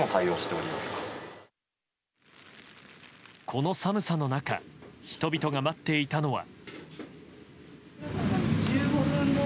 この寒さの中人々が待っていたのは。